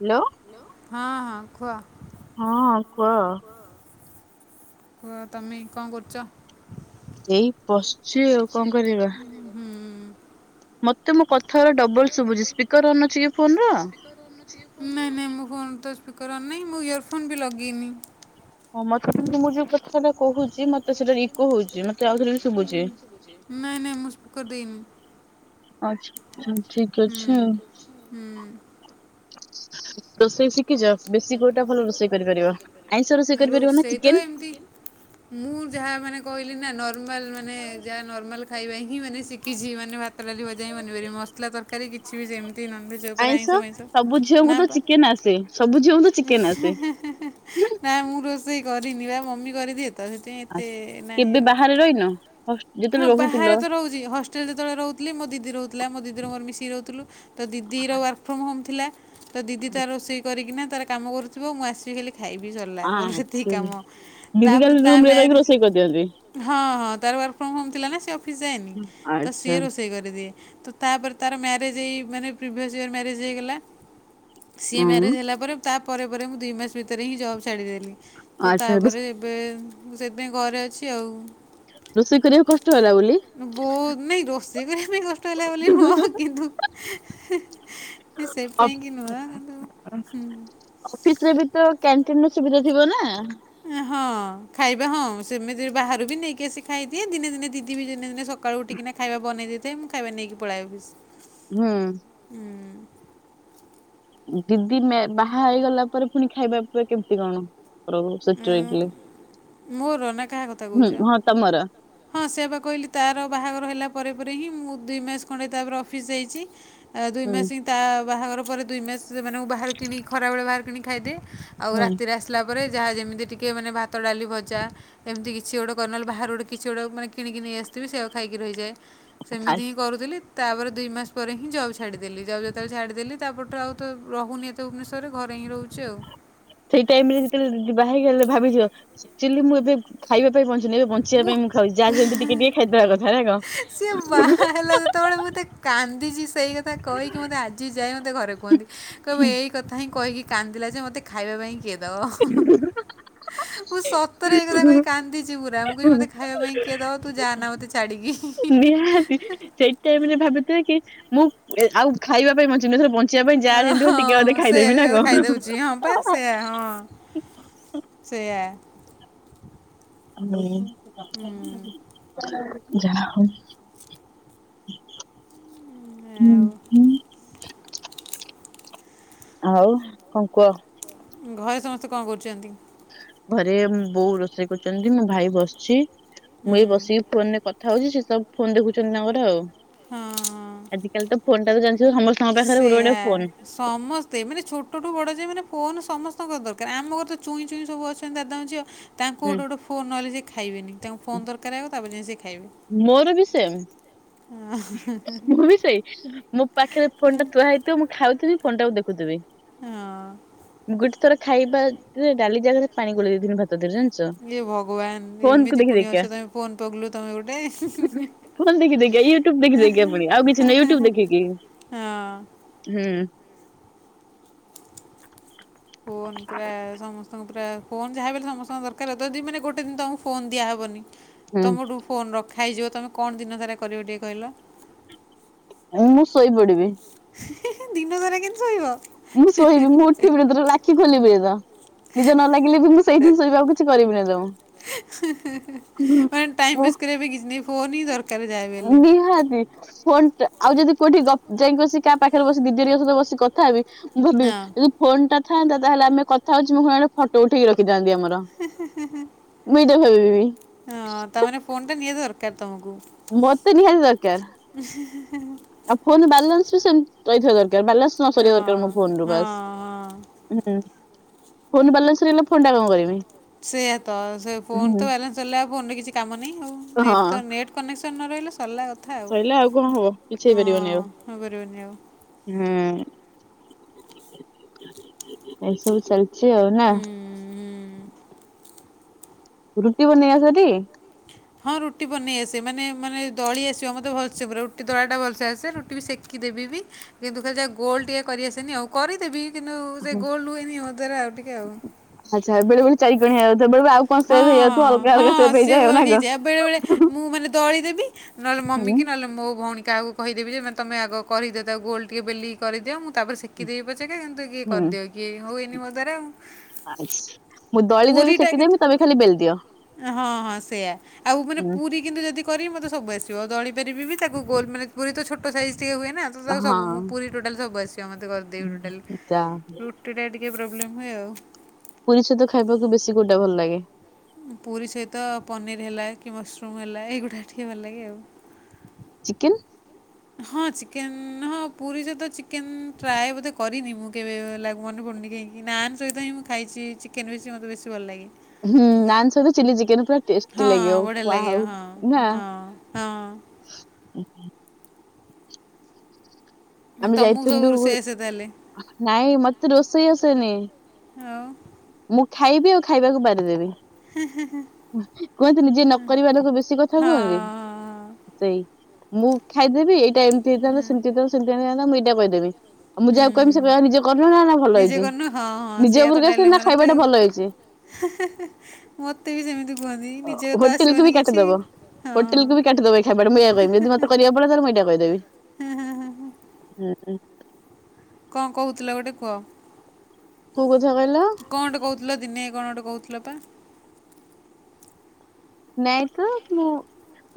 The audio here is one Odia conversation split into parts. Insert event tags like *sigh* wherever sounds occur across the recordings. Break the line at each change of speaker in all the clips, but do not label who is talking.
ହ୍ୟାଲୋ।
ହଁ ହଁ କୁହ।
ହଁ କୁହ।
ହଁ ତମେ କଣ କରୁଛ?
ଏଇ ପଶିଛି ଆଉ କଣ କରିବା। ମତେ ମୋ କଥାଗୁଡା ଡବଲ ଶୁଭୁଚି ସ୍ପିକର ଅନ୍ ଅଛି କି ଫୋନର?
ନାଇଁ ନାଇଁ ମୋ ଫୋନ ତ ସ୍ପିକର ଅନ ନାହିଁ। ମୁଁ ଇୟରଫୋନ୍ ବି ଲଗେଇନି।
ହଁ ମତେ କିନ୍ତୁ ମୁଁ ଯୋଉ କଥାଟା କହୁଛି ମତେ ସେଟା ଇକୋ ହଉଛି ମତେ ଆଉଥରେ ଶୁଭୁଛି।
ନା ନା ମୁଁ ସ୍ପିକର ଦେଇନି।
ଆଛା ଆଛା ଠିକ ଅଛି ଆଉ। ରୋଷେଇ ଶିଖିଛ ବେଶୀ କୋଉଟା ଭଲ ରୋଷେଇ କରିପାରିବ? ଆଇଁଷ ରୋଷେଇ କରିପାରିବ ନା ଚିକେନ?
ମୁଁ ଯାହା ମାନେ କହିଲି ନା ନ ମାଲ ମାନେ ଯାହା ନର୍ମାଲ ଖାଇବା ହିଁ ମାନେ ଶିଖିଛି ମାନେ ଭାତ, ଡାଲି, ଭଜା ହିଁ ବନେଇପାରିବି ମସଲା ତରକାରି କିଛି ବି ଯେମିତି ନନଭେଜ ଉପରେ ଆଇଁଷ ଆଇଁଷ ନା ପା ନା ମୁଁ ରୋଷେଇ କରିନି ବା ମମି କରିଦିଏ ତ ସେଥିପାଇଁ ଏତେ ନାହିଁ ଆଉ।
*unintelligible*
ହଁ ବାହାରେ ତ ରହୁଛି ହଷ୍ଟେଲ ଯେତେବେଳେ ରହୁଥିଲି ମୋ ଦିଦି ରହୁଥିଲା ମୋ ଦିଦିର ମୋର ମିଶିକି ରହୁଥିଲୁ। ତ ଦିଦିର ୱାର୍କ ଫ୍ରମ୍ ହୋମ୍ ଥିଲା। ତ ଦିଦି ତାର ରୋଷେଇ କରିକିନା ତାର କାମ କରୁଥିବ ମୁଁ ଆସିବି ଖାଲି ଖାଇ ବିି ସରିଲା ମୋର ସେତିକି କାମ। ତାପରେ ତାମେର ହଁ ହଁ ତାର ୱାର୍କ ଥିଲା ନା ସେ ଅଫିସ ଯାଇନି ତ ରୋଷେଇ କରିଦିଏ ତ ତାପରେ ତାର ମ୍ୟାରେଜ ଏଇ ମାନେ ପ୍ରିଭିୟସ୍ ଇୟର ମାରେଜ ହେଇଗଲା। ସିଏ ମ୍ୟାରେଜ୍ ହେଲା ପରେ ତାପରେ ପରେ ମୁଁ ଦୁଇ ମାସ ଭିତରେ ହିଁ ଜବ୍ ଛାଡ଼ିଦେଲି। ତ ତାପରେ ଏବେ ମୁଁ ସେଥିପାଇଁ ଘରେ ଅଛି ଆଉ।
ରୋଷେଇ କରିବାକୁ କଷ୍ଟ ହେଲା ବୋଲି।
ବହୁ ନାଇଁ ରୋଷେଇ କରିବା ପାଇଁ କଷ୍ଟ ହେଲା ବୋଲି ନୁହ କିନ୍ତୁ ନାଇଁ ସେଇଥିପାଇଁ କି ନୂହ କିନ୍ତୁ ହୁଁ।
ଅଫିସରେ ବି ତ କ୍ୟାଣ୍ଟିନ ର ସୁବିଧା ଥିବ ନା।
ହଁ ଖାଇବା ହଁ ସେମିତି ବାହାରୁ ବି ନେଇକି ଆସି ଖାଇଦିଏ ଦିନେ ଦିନେ ଦିଦି ବି ଦିନେ ଦିନେ ସକାଳୁ ଉଠିକିନା ଖାଇବା ବନେଇ ଦେଇଥାଏ ମୁଁ ଖାଇବା ନେଇକି ପଳାଏ ଅଫିସ।
ହୁଁ। ଦିଦି ମେ ବାହା ହେଇଗଲା ପରେ ପୁଣି ଖାଇବା ପିଇବା କେମିତି କଣ? ରହୁ *unintelligible* ହୁ ହଁ ତମର।
ହଁ ସେଇବା ପା କହିଲି ତାର ବାହାଘର ହେଲା ପରେ ପରେ ହିଁ ମୁଁ ଦୁଇ ମାସ ଖଣ୍ଡେ ତାପରେ ଅଫିସ୍ ଯାଇଛି। ଆଉ ଦୁଇ ମାସ ହିଁ ତା ବାହାଘର ପରେ ଦୁଇ ମାସ ମାନେ ମୁଁ ବାହାର କିଣି ଖରାବେଳେ ବାହାର କିଣି ଖାଇଦିଏ। ଆଉ ରାତିରେ ଆସିଲା ପରେ ଯାହା ଯେମିତି ଟିକେ ମାନେ ଭାତ ଡାଲି ଭଜା ଏମିତି କିଛି ଗୋଟେ କରିନେଲେ ବାହାରୁ ଗୋଟେ କିଛି ଗୋଟାକ ମାନେ କିଣିକି ନେଇଆସିଥିବି ସେଆକୁ ଖାଇକି ରହିଯାଏ ସେମିତି ହିଁ କରୁଥିଲି। ତାପରେ ଦୁଇ ମାସ ପରେ ହିଁ ଜବ ଛାଡିଦେଲି ଜବ ଯେତେବେଳେ ଛାଡ଼ିଦେଲି ତାପଟରେ ଆଉ ତ ରହୁନି। ସେ ଭୁବନେଶ୍ୱରରେ ଘରେ ହିଁ ରହୁଚି ଆଉ।
ସେଇ ଟାଇମ ରେ ଯେତେବେଳେ ବାହା ହେଇଗଲେ ଭାବିଯିବ ଚୁଲି ମୁଁ ଏବେ ଖାଇବା ପାଇଁ ବଞ୍ଚୁନି ଏବେ ବଞ୍ଚିବା ପାଇଁ ମୁଁ ଖାଉଚି ଯହା ଯେମିତି ଟିକେ ଟିକେ ଖାଇଦବା କଥା ନା କଣ?
ସିଏ ବାହା ହେଲା ଯେତେବେଳେ ମୁଁ ତାକ କାନ୍ଦିଚି ସେଇ କଥା କହିକି ମୋତେ ଆଜି ଯାଏଁ ମୋତେ ଘରେ କୁହନ୍ତି କହିବ ଏଇ କଥା ହିଁ କହିକି କାନ୍ଦିଲା ଯେ ମତେ ଖାଇବା ପାଇଁ କିଏ ଦବ ମୁଁ ତୁ ସତରେ ଏକଥା କହି କାନ୍ଦିଚି ପୁରା ମୁଁ କହୁଚି ମତେ ଖାଇବା ପାଇଁ କିଏ ଦବ ତୁ ଯା ନା ମତେ ଛାଡିକି।
ନିହାତି ସେଇ ଟାଇମ୍ ରେ ଭାବିଥିବେ କି ମୁଁ ଏ ଆଉ ଖାଇବା ପାଇଁ ବଞ୍ଚିନି ଏଥର ବ
ଅ ହଁ ସେୟା ସେ ଖାଇଦଉଚି ହଁ ପା ସେୟା ହଁ। ସେୟା।
ହୁଁ। ଯାହା ହଉ ହୁଁ ହଁ। ଆଉ କଣ କୁହ।
ଘରେ ସମସ୍ତେ କଣ କରୁଚନ୍ତି?
ଘରେ ବୋଉ ରୋଷେଇ କରୁଚନ୍ତି ମୋ ଭାଇ ବସିଚି ମୁଁ ଏ ବସିକି ଫୋନରେ କ ହଉଚି ସେ ସବୁ ଫୋନ ଦେଖୁଚନ୍ତି ତାଙ୍କର ଆଉ। ଆଜିକାଲି ତ ଫୋନ ଟା ତ ଜାଣିଛ ସମସ୍ତଙ୍କ ପାଖରେ ଗୋଟେ ଗୋଟେ ଫୋନ୍।
ସମସ୍ତେ ମାନେ ଛୋଟ ଠୁ ବଡ ଯାଏ ମାନେ ଫୋନ ସମସ୍ତଙ୍କର ଦରକାର ଆମ ଘର ତ ଚୁଇଁ ଚୁଇଁ ସବୁ ଅଛି ସେ ଦାଦା ଝିଅ ତାଙ୍କୁ ଗୋଟେ ଗୋଟେ ଫୋନ ନହଲେ ସେ ଖାଇବେନି ତାଙ୍କୁ ଫୋନ୍ ଦରକାର ଆଗ ତାପରେ ଯାଇଁ ସେ ଖାଇବେ।
ମୋର ବି ସେମ୍ ମୁଁ ବି ସେଇ। ମୋ ପାଖରେ ଫୋନ୍ ଟା ଥୁଆ ହେଇଥିବ ମୁଁ ଖାଉଥିବି ଫୋନ୍ ଟାକୁ ଦେଖୁଥିବି ମୁଁ ଗୋଟେ ଥର ଖାଇବା ରେ ଡାଲି ଜାଗାରେ ପାଣି ଗୋଳେଦେଇଥିଳି ଭାତ ଦେହରେ ଜାଣି
ହେ ଭଗବାନ ଏମିତି ପୁଣି ଅଛ ତମେ ଫୋନ ପଗୁଲୁ ତମେ ଗୋଟେ।
ଦେଖିଦେଖିକା ୟୁଟ୍ୟୁବ ଦେଖିଦେଖିକା ପୁଣି ଆଉ କିଛି ନାହିଁ ୟୁଟ୍ୟୁବ ଦେଖିକି ହୁଁ।
*unintelligible* ଫୋନ ପୁରା ସମସ୍ତଙ୍କୁ ପୁରା ଫୋନ ଯାହାବିହେଲେ ସମସ୍ତଙ୍କ ଦରକାର ଜଦି ମାନେ ଗୋଟେ ଦିନ ତମକୁ ଫୋନ ଦିଆହବନି ତମଠୁ ଫୋନ ରଖା ହେଇଯିବ ତମେ କଣ ଦିନ ସାରା କରିବ ଟିକେ କହିଲ?
ମୁଁ ଶୋଇପଡିବି।
ଦିନ ସାରା କେମିତି ଶୋଇିବ?
ମୁଁ ଶୋଇିବି ମୁଁ ଉଠିବିନି ତୋତାଲେ ଆଖି ଖୋଲିବିନି ତ। ନିଦ ନ ଲାଗିଲେ ବି ମୁଁ ସେଇଠି ହିଁ ଶୋଇବି ଆଉ କିଛି କରିବିନେଇତ।
ମିନେ ଟାଇମ୍ ପାସ କରିବାପାଇଁ କିଛି ନାହିଁ।
ନିହାତି। ଫୋନ ଟ ଆଉ ଯଦି କଉଠି ଗପ ଯାଇଁକି ବସିକି କାହା ପାଖରେ ବସି ଦିଦି ହେରିକାଙ୍କ ସହିତ ବସି କଥା ହେବି ବି ଯଦି ଫୋନ ଟା ଥାନ୍ତା ତାହେଲେ ଆମ କଥା ହଉଚୁ ମୋ ଫୋନ ରେ ଫଟୋ ଉଠେଇି ରଖ ଥାନ୍ତି ଆମର ମୁଁ ଏଇଟା ଭାବିବି।
ହଁ ତାମାନେ ଫୋନ୍ ଟା ନିହାତି ଦରକାର ତମକୁ?
ମତେ ନିହାତି ଦରକାର ଆଉ ଫୋନ ରେ ବାଲାନ୍ସ ସେମିତି ରହିଥିବା ଦରକାର ବାଲାନ୍ସ ନସରିବା ଦରକାର ମୋ ଫୋନ ରୁ ବାସ ହୁଁ ଫୋନ ରୁ ବାଲାନ୍ସ ସରିଗଲେ
ସେଇଆ ତ ସେ ଫୋନ ତ ବାଲାନ୍ସ ସାରିଲେ ଆଉ ଫୋନରେ କିଛି କାମ ନାହିଁ ଆଉ। ନେଟ୍ ତ ନେଟ୍ କନେକ୍ସନ୍ ନ ରହିଲେ ସରିଲା କଥା ଆଉ। ହଁ କଣ କାମ କରିବନି ଆଉ।
ହୁଁ ଏଇସବୁ ଚାଲିଚି ଆଉ ନା? ରୁଟି ବନେଇ ଆସିବ ଟି!
ହଁ ରୁଟି ବନେଇ ଆସେ, ମାନେ ମାନେ ଦଳି ଆସିବ ମତେ ଭଲସେ ପୁରା ରୁଟି ଦଳାଟା ଭଲସେ ଆସେ, ରୁଟି ବି ସେକି ଦେବି ବି। କିନ୍ତୁ ଖଲି ଯା ଗୋଲ ଟିକେ କରିଆସେନି ଆଉ। କରିଦେବି କିନ୍ତୁ ସେ ଗୋଲ୍ ହୁଏନି *unintelligible* ଆଉ ଟିକେ ଆଉ।
ଆଚ୍ଛା, ବେଳେବେଳେ ଚାରି କଣିଆ ହେଇଯାଉ ବେଳେବେଳେ ଆଉ କଣ ସେଫ୍ ହେଇଯାଉଥିବ ଅଲଗା ଅଲଗା ସେ୍ଫ ହେଇଯାଇ ନା କଣ!
ନହେଲେ ମମି କି ନହେଲେ ମୋଉ ଭଉଣୀ କହାକୁ କହିଦେବି ଯେ ମାନେ ତମେ ଆଗ କରିଦଅ ତାକୁ ଗୋଲ ଟିକେ ବେଲି କି କରିଦିଅ ମୁଁ ତାପରେ ସେକ କିଦେବି ପଛେକେ କିନ୍ତୁ କିଏ କରିଦିଅ କିଏ ହୁଉଏନି ମୋ ଦ୍ଵରା।
*unintelligible* ମୁଁ ଦଳି ଦେବି ସେକି ଦେବି ତମେ ଖାଲି ବେଲ ଦିଅ।
ହଁ ହଁ ସେଇୟା। ଆଉ ମାନେ ପୁରୀ କିନ୍ତ ଯଦି କରିବି ମତେ ସବୁ ଆସିବ, ଦଳି ପାରିବି ବି ତାକୁ ଗୋଲ୍ ମାନେ ପୁରୀ ତ ଛୋଟ ସାଇଜ ଟିକେ ହୁଏ ନା। ସବୁ ମୁଁ ପୁରୀ ଟୋଟାଲ ସୁବୁ ଆସିବ ମତେ କରିଦେବି ଟୋଟାଲି। ରୁ ରୁଟି ଟା ଟିକେ ପ୍ରୋବ୍ଲେମ ହୁଏ ଆଉ।
ପୁରୀ ସହିତ ଖାଇବାକୁ ବେଶୀ କୋଉଟା ଭଲ ଲାଗେ?
ପୁରୀ ସହିତ ପନିର ହେଲା କି ମସରୁମ୍ ହେଲା ଏଇଗୁଡ଼ା ଟିକେ ଭଲ ଲାଗେ ଆଉ।
ଚିକେନ୍?
ହଁ ଚିକେନ ହଁ ପୁରୀ ସହିତ ଚିକେନ ଟ୍ରାଏ ବୋଧେ କରିନି ମୁଁ କେବେ ଲାଗ ମନେ ପଡ଼ୁନି କାହିଁ। ନାନ୍ ସହିତ ହିଁ ମୁଁ ଖାଇଛି ଚିକେନ୍ ବେଶି ମୋତେ ବେଶୀ ଭଲ ଲାଗେ।
ହୁଁ ନାନ୍ ସହିତ ଚିଲି ଚିକେନ ପୁରା ଟେଷ୍ଟି ଲାଗିବ। ୱାଓ ନା!
ତମକୁ ସବୁ ରୋଷେଇ ଆସେ ତାହେଲେ?
ନାଇଁ ମତେ ରୋଷେଇ ଆସେନି।
ଆଉ?
ମୁଁ ଖାଇବି ଆଉ ଖାଇବାକୁ ବାଡ଼ିଦେବି। କୁହନ୍ତି ନି ଜେ ନକରିବା ଲୋକ ବେଶୀ କଥା କୁହନ୍ତି! ସେଇ ମୁଁ ଖାଇଦେବି ଏଇଟା ଏମିତି ହେଇଥାନ୍ତା ସେମିତି ହେଇଥାନ୍ତା ସେମିତିଥନ୍ତା ମୁଁ ଏଇଟା କହିଦେବି। ଆଉ ମୁଁ ଯାହାକୁ କହମି ସେ କହ ନିଜେ କରନୁ ନା ନା ଭଲ ହେଇଛି, ନିଜ ଉପରକୁ ଆସିଲି ନା ଖାଇବାଟା ଭଲ ହେଇଛି।
ହେଃ ହଃ ହଃ ମତେ ବି ସେମିତି କୁହନ୍ତି ନିଜକୁତ ଆସିବନି କିଛି।
ହୋଟେଲକୁ ବି କାଟି ଦେବ ଏ ଖାଇବାଟା ମୁଁ ଏଇଆ କହିବି ଯଦି ମତେ କରିବାକୁ ପଡିଲା ତାହେଲେ ମୁଁ ଏଇଆ କହିଦେବି। ହୁଁ ହ।
କଣ କହୁଥିଲ ଗୋଟେ କୁହ?
କୋଉ କଥା କହିଲ?
କଣ ଗୋଟେ କହୁଥିଲ ଦିନେ କଣ ଗୋଟେ କହୁଥିଲ ପା?
ନାଇଁ ତ ମୁଁ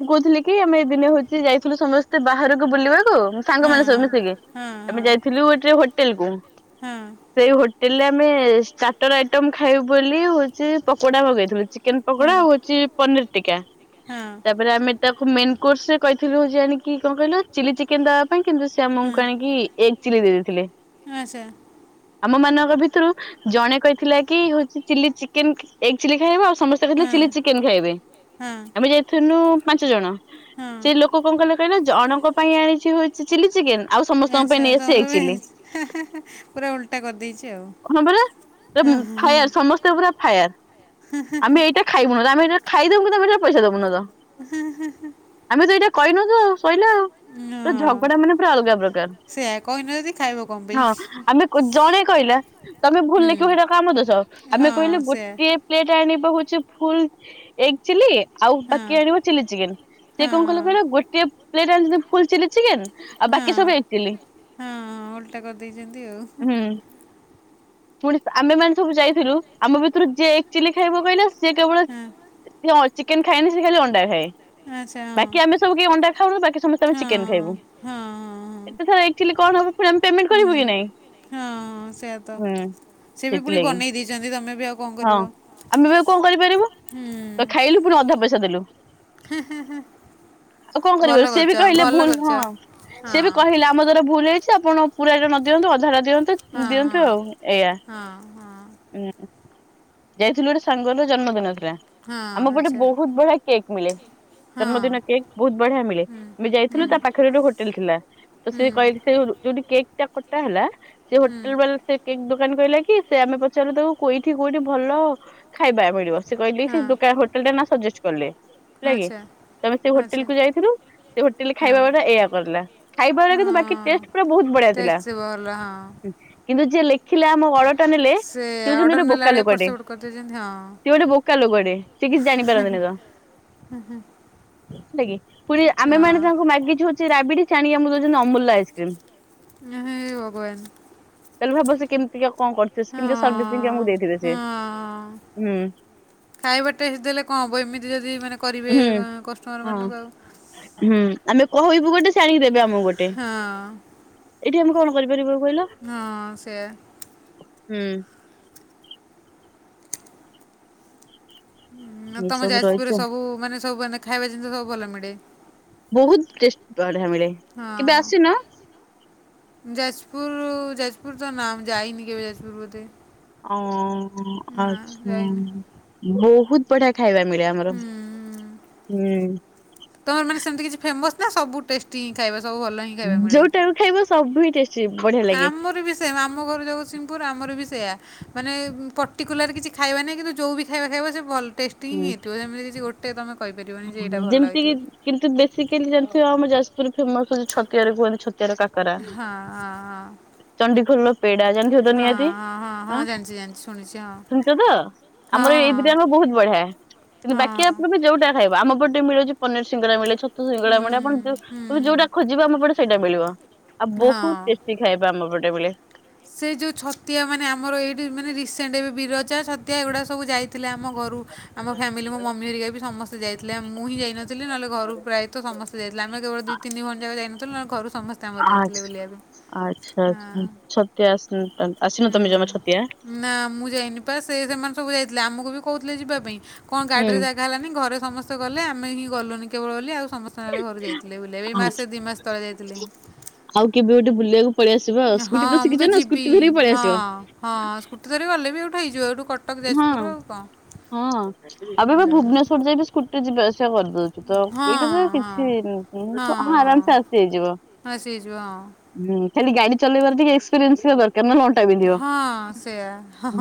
ମୁଁ କହୁଥିଲି କି ଆମେ ଏଇ ଦିନେ ହଉଛି ଯାଇଥିଲୁ ସମସ୍ତେ ବାହାରକୁ ବୁଲିବାକୁ ସାଙ୍ଗ ମାନେ ସବୁ ମିଶିକି। ଆମେ ଯାଇଥିଲୁ ଗୋଟେ ହୋଟେଲ କୁ। ସେଇ ହୋ ଦେଲେ ଆମେ ଷ୍ଟାର୍ଟର ଆଇଟମ ଖାଇବୁ ବୋଲି ହଉଛି ପକୋଡା ମଗେଇଥିଲୁ, ଚି ଚିକେନ ପକୋଡା ଆଉ ହଉଛି ପନିର ଟୀକ୍କା।
ହଁ।
ତାପରେ ଆମେ ତାକୁ ମେନ୍ କୋର୍ସ ରେ କହିଥିଲୁ ଯେ ଆଣିକି କଣ କହିଲ ଚି଼ଲ୍ଲୀ ଚିକେନ୍ ଟା ପାଇଁ କିନ୍ତୁ ସେ ଆମକୁ ଆଣିକି ଏଗ ଚିଲି ଦେଇ ଦେଇଦେଇଥିଲେ।
ଆଚ୍ଛା।
ଆମ ମାନଙ୍କ ଭିତରୁ ଜଣେ କହିଥିଲା କି ହଉଛି ଚିଲ୍ଲି ଚିକେନ, ଏଗ ଚିଲ୍ଲି ଖାଇବ ଆଉ ସମସ୍ ସେ କଉଥିଲେ ଚିଲ୍ଲି ଚିକେନ୍ ଖାଇବେ ଆମେ ଯାଇଥିଲୁ ପାଞ୍ଚ ଜଣ। ସେ ଲୋକ କଣ କଲା କଇଲ ଜଣଙ୍କ ପାଇଁ ଆଣିଚି ହଉଚି ଚି ଚିଲ୍ଲି ଚିକେନ୍ ଆଉ ସମସ୍ତଙ୍କ ପାଇଁ ନେଇ ଆସିଚି ଏଗ୍ ଚି଼ଲ୍ଲୀ ହଁ ପରା। ପୁରା ମ୍ ଫାୟାର ସମସ୍ତ ସମସ୍ତେ ପୁରା ଫାୟାର୍ ଆମେ ଏଇଟା ଖାଇବୁନୁ ଆମେ ଏଇଟା ଖାଇଦବୁ କିନ୍ତୁ ଏ ଏଇଟାର ପଇସା ଦବୁନି।
*unintelligible*
ଆମେ ତ ଏଇଟା କହିନଥିଲୁ କଇଲା ପୁରା ଝଗଡା ମାନେ ପୁରା ଅଲଗା ପ୍ରକାର। ହଁ ଆମେ କୁ ଜଣେ କହିଲା। ତମେ ଭୁଲ୍ ଲେଖିବ ସେଇଟା କଣ ଆମ ଦୋଷ ଆମେ କହିଲୁ ଗୋଟିଏ ପ୍ଲେଟ ଆଣିବ ହଉଚି ଫୁଲ୍ ଏଗୂ ଚି଼ଲ୍ଲୀ ଆଉ ବାକି ଆଣିବ ଚି଼ଲ୍ଲୀ ଚିକେନ୍ ସେ କଣ କଲା କଇଲ ଗୋଟିଏ ପ୍ଲେଟ୍ ଆନିଚନ୍ତି ଫୁଲ୍ ଚିଲ୍ଲି ଚିକେନ୍। ଆଉ ବାକି ସବୁ ଏଗ୍ ଚି଼ଲ୍ଲୀ ହୁଁ। ପୁଣି ଆମେ ମାନେ ସବୁ ଯାଇଥିଲୁ ଆମ ଭିତରୁ ଯିଏ ଏଗୂ ଚିଲ୍ଲି ଖାଇବ କହିଲା ସିଏ କେବଳ ସିଏ ଚିକେନ୍ ଖାଏନି ସିଏ ଖାଲି ଅଣ୍ଡା ଖାଏ ବାକି ଆମେ ସବୁ କିଏ ଅଣ୍ଡା ଖାଉନୁ ବାକି ସମସ୍ତେ ଆମେ ଚିକେନ୍ ଖାଇବୁ। ଏତେ ସାରା ଏଗ୍ ଚି଼ଲ୍ଲୀ କଣ ହବ ପୁଣି ଆମେ ପେମେଟ୍ କରିବୁ କି ନାଇଁ।
ହଁ ସେଇଆତ ସିଏ ବି ପୁଣି ବନେଇ ଦେଇଚନ୍ତି ତମେ ବି ଆଉ
ହଁ ଆମେବି ଆଉ କଣ କରିପାରିବୁ ତ ଖାଇଲୁ ପୁଣି ଅଧା ପଇସା ଦେଲୁ। ଆଉ କଣ କରିବ ସେ ବି କହିଲେ ଭୁଲ୍ ହଁ ସେ ବି କହିଲା। ମୋ ଦ୍ୱାରା ଭୁଲ୍ ହେଇଚି ଆପଣ ପୁରା ଟା ନ ଦିଅନ୍ତୁ ଅଧା ଟା ଦିଅନ୍ତୁ। ତ ଦିଅନ୍ତୁ ଆଉ ଏଇଆ ଉଁ। ଯାଇଥିଲୁ ଗୋଟେ ସାଙ୍ଗର ଜନ୍ମଦିନ ଥିଲା ଆମ ପଟେ ବହୁତ୍ ବଢିଆ କେକ୍ ମିଳେ। ଜନ୍ମଦିନ କେକ୍ ବହୁତ୍ ବଢିଆ ମିଳେ ଆମେ ଯାଇଥିଲୁ ତା ପାଖରେ ଗୋଟେ ହୋଟେଲ ଥିଲା। ତ ସେ କହିଥିଲେ ଯୋଉଠି କେକ ଟା କଟ୍ କଟା ହେଲା ସେ ହୋଟେଲ ବାଲା ସେ କେକ୍ ଦୋକାନ କଇଲା କି ସେ ଆମେ ପଚାରିଲୁ ତାକୁ କୁଇ ଉଠି କୋଉଠି ଭଲ ଖାଇବା ମିଳିବ ସେ କହିଲେ ସେ ହୋଟେଲ ନା ସଜେଷ୍ଟ କଲେ। ହେଲା କିି ସମସ୍ତେ ହୋଟେଲ କୁ ଯାଇଥିଲୁ। ସେ ହୋଟେଲରେ ଖାଇବା ବାଲା ଏଇଆ କଲା ଖାଇବା ଗୁଡା କିନ୍ତୁ ବାକି ଟେଷ୍ଟ ବହୁତ୍ ବଢିଆ ଥିଲା। କିନ୍ତୁ ଯିଏ ଲେଖିଲା ଆମ ଆଡ଼ର୍ ଟା ନେଲେ ସେ ହଉଚନ୍ତି ବୋକ୍ ବୋକା ଲୋକଟେ ସେ ଗୋଟେ ବୋକା ଲୋକଟେ ସିଏ କିଛି ଜାଣିପାରନ୍ତିନି ତ।
ହୁଁ ହୁଁ।
ହେଲା କି ପୁଣି ଆମେ ମାନେ ତାଙ୍କୁ ମାଗିଚୁ ରାବିଡ଼ି ସିଏ ଆଣିକି ଆମକୁ ଦଉଚନ୍ତି ଅମୁଲ ଆଇସ୍କ୍ରିମ୍। ତାହେଲେ ଭାବ ସେ କେମିତିକା କଣ କରିଥିବେ କେମତି ସର୍ଭିସିଂକୁ ଆମକୁ ଦେଇଥିବେ। ହୁଁ।
ଖାଇବା ଟେଷ୍ଟ୍ ଦେଲେ କଣ ହବ ଏମିତି ଯଦି ମାନେ କରିବେ କଷ୍ଟମର ମାନଙ୍କୁ ଆଉ।
ହୁଁ ଆମେ କହିବୁ ଗୋଟେ ସେ ଆଣିକି ଦେବେ ଆମକୁ ଗୋଟେ।
ହଁ।
ଏଇଠି ଆମେ କଣ କରି ପାରିବୁ ଆଉ କହିଲ?
ହଁ ସେୟା।
ହୁଁ।
ତମ ଯାଜ୍ପୁରରେ ସବୁ ମାନେ ସବୁ ମାନେ ଖାଇବା ଜିନିଷ ସବୁ ଭଲ ମିଳେ?
ବହୁତ୍ ଟେଷ୍ଟ ବଢିଆ ମିଳେ।
ହଁ ଯାଜପୁର୍ ଯାଜପୁର ତ ନା ମୁଁ ଯାାଇନି କେବେ ଯାଜପୁର୍ ବୋଧେ।
ଓ ଆଛ ବହୁତ ବଢିଆ ଖାଇବା ମିଳେ ଆ। ଆମର ହୁଁ।
ତମର ମାନେ ସେମିତି କିଛି ଫେମସ୍ ନା ସବୁ ଟେଷ୍ଟି ଖାଇବା ସବୁ ଭଲ ହିଁ।
ଯୋଉ ଟା ଉଠେଇବ ସବୁ ହିଁ ଟେଷ୍ଟି ବଢିଆ।
ଆମର ବି ଶ ମାମୁଁ ଘର ଜଗତସିଂହପୁର ଆମର ବି ସେୟା ମାନେ ପର୍ଟିକୁଲାର କିଛି ଖାଇବା ନାଇଁ କିନ୍ତୁ ଯୋଉ ବି ଖାଇବା ଖାଇବ ସେ ଭଲ ଟେଷ୍ଟି ହିଁ ହେଇଥିବ ସେମିତି କିଛି ଗୋଟେ ତମେ କହିପାରିବନି ଯେ ଏଇଟା ଭଲ ହେଇଥିବ।
କିନ୍ତୁ ବେସିକାଲି ଜାଣିଥିବ ଆମ ଯାଜପୁର ଫେମସ୍ ହଉଛି ଛତିଆରେ କୁହନ୍ତି ଛତିଆ କା
ହଁ ହଁ ହଁ।
ଚଣ୍ଡିଖୋଲର ପେଡା ଜାଣିଥିବ ତ ନିହାତି ଆଁ ଶୁଣିଛ ତ। ଆମର ଏଇ ଦିଇଟା ୟାଙ୍କ ବୋହୁତ ବଢିଆ କିନ୍ତୁ ବାକି ଆପଣଙ୍କ ଯୋଉଟା ଖାଇବା ଆମ ପଟେ ମିଳୁଛି ପନିର ସିଙ୍ଗଡା ମିଳେ। ଛତୁ ସିଙ୍ଗଡ଼ା ମିଳେ ଆପଣ ଯ ତେ ଯୋଉଟା ଖୋଜିବ ଆମ ପଟେ ସେଇଟା ମିଳିବ ଆଉ ବହୁତ ଟେଷ୍ଟି। ଖାଇବା ଆମ ପଟେ ମିଳେ।
ସେ ଯେଉଁ ଛତିଆ ମାନେ ଆମର ଏଇଠି ମାନେ ରିସେଣ୍ଟ ଏବେ ବିରଜା ଛତିଆ ଏଗୁଡ଼ା ସବୁ ଯାଇଥିଲେ ଆମ ଘରୁ। ଆମ ଫ୍ୟାମିଲି ମୋ ମମି ହେରିକା ବି ସମସ୍ତେ ଯାଇଥିଲେ ମୁଁ ହିଁ ଯାଇନଥିଲି ନହେଲେ ଘରୁ ପ୍ରାୟତଃ ସମସ୍ତେ ଯାଇଥିଲେ ଆମେ କେବଳ ଦି ତିନି ଭଉଣୀ ଯାଇନଥିଲୁ ନହେଲେ ଘରୁ ସମ
ଆଛ ଆଚ୍ଛା ଆଛା ଛତିଆ ଆସିଛନ୍ତି ତାନେ
ହୁଁ ନାଁ ମୁଁ ଯାଇନି ପା ସେ ସେମାନେ ସବୁ ଯାଇଥିଲେ ଆମକୁ ବି କୋହୁଥିଲେ ଯିବା ପାଇଁ। କଣ ଗାଡିରେ ଜାଗା ହେଲାନି ଘରେ ସମସ୍ତେ ଗଲେ ଆମେ ହିଁ ଗଲୁନି କେବଳ ବୋଲି ଆଉ ସମ - ଘରୁ ଯାଇଥିଲେ ବୁଲିପା ପାଇଁ ମାସେ ଦି ମାସ ତଳେ ଯାଇଥିଲେ।
ଆଉ କେବେ ଗୋଟେ ବୁଲିବାକୁ ପଳେଇ ଆସିବ ଆଉ ସ୍କୁଟି ତ ଶିଖିଛ ନା ସ୍କୁଟି ଧରିକି ପଳେଇଆସିବ।
ହଁ ସ୍କୁଟି ଧରିକି ଗଲେ ବି ଏଉଠୁ ହେଇଯିବ ଏଇଠୁ କଟକ ଯାଜପୁର ଆଉ କଣ?
ହଁ ଆମେ ପା ଭୁବନେଶ୍ଵର ଯାଇବି ସ୍କୁଟି ରେ ଯିବା ଆସିବା କରିଦଉଛୁ। ତ ଏଇଟା ତ କିଛି ହଁ ଆରାମସେ ଆସି ହେଇଯିବ। ହୁଁ ଖାଲି ଗାଡି ଚଲେଇବାର ଟିକେ ଏକ୍ପପେରିଏନ୍ସ ହେବା ଦରକାର ନହଲେ ଅ ଅଣ୍ଟା ବିନ୍ଧିବ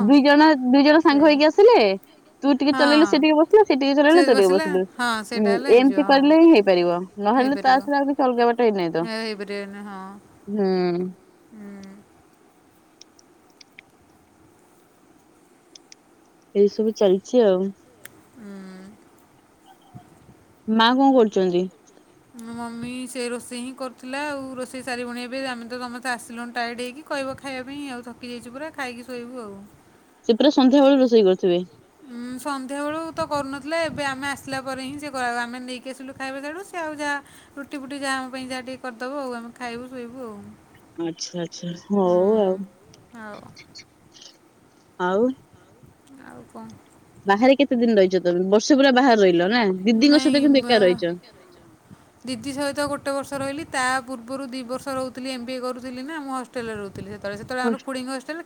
ଦି ଜଣ ଦୁଇ ଜଣ ସାଙ୍ଗ ହେଇକି ଆସିଲେ ତୁ ଟିକେ ଚଲେଇଲୁ ସିଏ ବସିଲା ସେ ଟିକେ ଚଲେଇଲେ ତୁ ଟିକେ ବସିଲୁ। ହଁ ଏମିତି କରିଲେ ହିଁ ହେଇପାରିବ ନହେଲେ ତା ଛଡା ଆଉ କିଛି ଅଲଗା ବାଟ ହେଇନାହିଁ ତ। ହୁଁ। ଏଇ ସବୁ ଚାଲିଛି ଆଉ। ମା କଣ କରୁଛନ୍ତି?
ମୋ ମମି ସେ ରୋଷେଇ ହିଁ କରୁଥିଲା ଆଉ ରୋଷେଇ ସାରିବଣି ଏବେ ଆମେ ତ ସମସ୍ତେ ଆସିଲୁଣି ଟାଇଏଡ଼ ହେଇକି। କହିବ ଖାଇବା ପାଇଁ ଆଉ ଥକି ଯାଇଛିୁ ପୁରା ଖାଇକି ଶୋଇବୁ ଆଉ।
ସେ ପୁରା ସନ୍ଧ୍ୟା ବେଳୁ ରୋଷେଇ କରୁଥିବେ?
ହୁଁ। ସନ୍ଧ୍ୟାବେଳୁ ତ କରୁନଥିଲା ଏବେ ଆମେ ଆସିଲା ପରେ ହିଁ ସେ କର ଆମେ ନେଇକି ଆସିଲୁ ଖାଇବା ସିଆଡୁ ଆଉ ଯାହା ରୁଟି ଫୁଟି ଯାହା ଆମ ପାଇଁ ଯାହା ଟିକେ କରିଦବ ଆଉ ଆମେ ଖାଇବୁ ଶୋଇବୁ ଆଉ।
ଆଚ୍ଛା ଆଛା ହଉ ଆଉ ଆଉ
ଆଉ କଣ?
ବାହାରେ କେତେ ଦିନ ରହିଛ ତମ ବର୍ଷେ ପୁରା ବାହାରେ ରହିଲ ନା ଦିଦିଙ୍କ ସହିତ କିନ୍ତୁ ଏକା ରହିଛ।
ଦିଦି ସହିତ ଗୋଟେ ବର୍ଷ ରହିଲି ତା ପୂର୍ବରୁ ଦୁଇ ବର୍ଷ ରହୁଥିଲି ଏମ୍ ବି ଏ କରୁଥିଲି ନା ଆମ ହଷ୍ଟେଲରେ ରହୁଥିଲି। ସେତେବେଳେ ସେତେବେଳେ ଆମର ଫୂଡିଙ୍ଗ ହଷ୍ଟେଲ